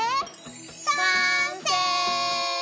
完成！